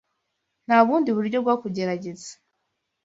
Nta bundi buryo bwo kugerageza.